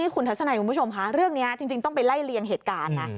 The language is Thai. คุณทัศนัยคุณผู้ชมค่ะเรื่องนี้จริงต้องไปไล่เลียงเหตุการณ์นะ